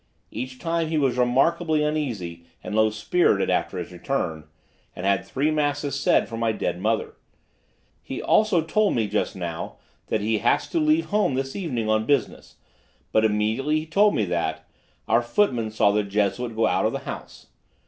Each time he was remarkably uneasy and low spirited after his return, and had three masses said for my dead mother. He also told me just now that he has to leave home this evening on business, but immediately he told me that, our footman saw the Jesuit go out of the house.